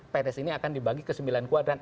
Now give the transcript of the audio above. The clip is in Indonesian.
pns ini akan dibagi ke sembilan kuadran